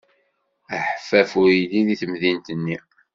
Aḥeffaf ur yelli deg temdint-nni.